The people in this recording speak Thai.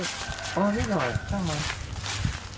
อ๋อนิดหน่อยต้องมั้ย